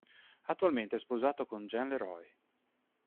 Attualmente è sposato con Gen LeRoy.